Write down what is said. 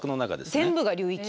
全部が流域。